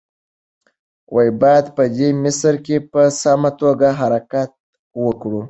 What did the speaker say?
باید په دې مسیر کې په سمه توګه حرکت وکړو.